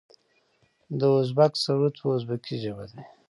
د ازبک سرود په ازبکي ژبه دی.